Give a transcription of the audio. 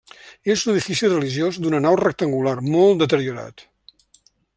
És un edifici religiós d'una nau rectangular, molt deteriorat.